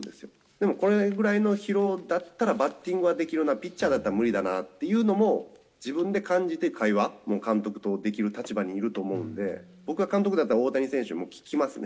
でも、これぐらいの疲労だったらバッティングはできるな、ピッチャーだったら無理だなぁっていうのも、自分で感じて会話、監督とできる立場にいると思うんで、僕が監督だったら、大谷選手にもう、聞きますね。